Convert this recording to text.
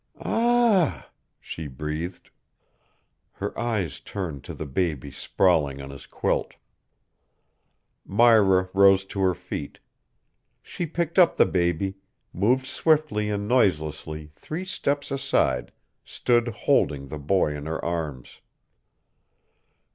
"Ah," she breathed. Her eyes turned to the baby sprawling on his quilt. Myra rose to her feet. She picked up the baby, moved swiftly and noiselessly three steps aside, stood holding the boy in her arms.